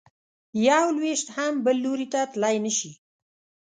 یو لویشت هم بل لوري ته تلی نه شې.